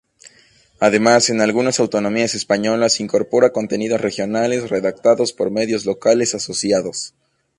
Además en algunas autonomías españolas incorpora contenidos regionales redactados por medios locales asociados.